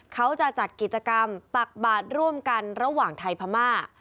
เขาจะจัดกิจกรรมตักบาทร่วมกันระหว่างไทยพม่า